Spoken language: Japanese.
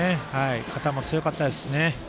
肩も強かったですしね。